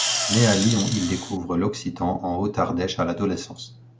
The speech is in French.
Né à Lyon, il découvre l'occitan en Haute Ardèche à l’adolescence.